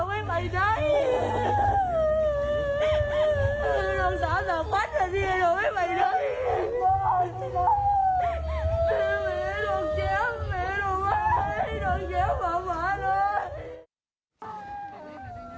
น้องเกี๊ยวเหม็นไว้น้องเกี๊ยวหว่าเลย